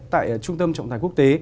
tại trung tâm trọng tài quốc tế